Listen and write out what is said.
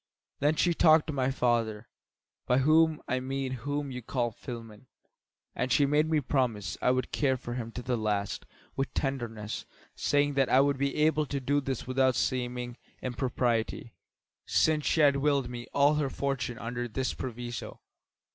Then she talked of my father, by whom I mean him whom you call Philemon; and she made me promise I would care for him to the last with tenderness, saying that I would be able to do this without seeming impropriety, since she had willed me all her fortune under this proviso.